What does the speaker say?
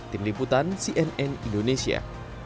tim liputan cnn indonesia